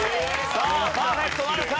さあパーフェクトなるか？